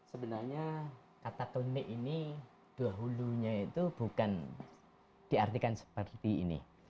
sebenarnya kata tundik ini dua hulunya itu bukan diartikan seperti ini